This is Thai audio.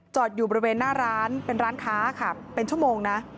อยู่บริเวณหน้าร้านเป็นร้านค้าค่ะเป็นชั่วโมงนะ